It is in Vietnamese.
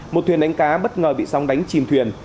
một thuyền đánh cá bất ngờ bị sóng đánh chìm thuyền